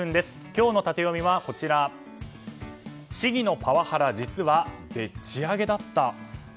今日のタテヨミは、市議のパワハラ、実はでっち上げだった。